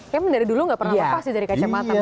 ya menurut dulu gak pernah lepas sih dari kacamata